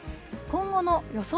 今後の予想